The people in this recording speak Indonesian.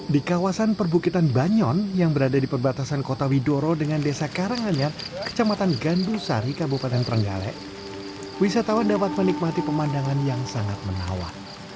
di kawasan perbukitan banyon yang berada di perbatasan kota widoro dengan desa karanganyar kecamatan gandusari kabupaten trenggalek wisatawan dapat menikmati pemandangan yang sangat menawar